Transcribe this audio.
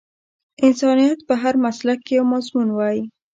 انسانيت په هر مسلک کې یو مضمون وای